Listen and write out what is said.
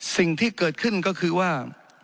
สิ่งที่เกิดขึ้นก็คือว่า